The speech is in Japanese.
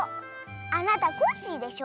あなたコッシーでしょ。